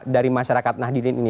dari masyarakat nahdilin ini